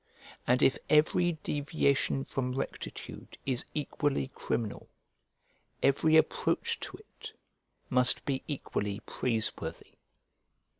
And if every deviation from rectitude is equally criminal, every approach to it must be equally praiseworthy.